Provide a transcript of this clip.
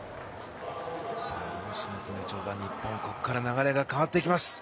４種目め跳馬にここから流れが変わります。